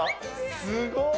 すごい。